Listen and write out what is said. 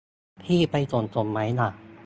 พี่ไปส่งผมไหมล่ะ